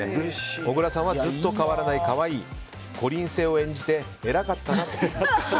小倉さんはずっと変わらない可愛いこりん星を演じて偉かったなと。